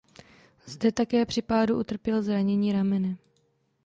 Zde také při pádu utrpěl zranění ramene.